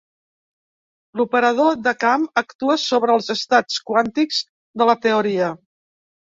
L'operador de camp actua sobre els estats quàntics de la teoria.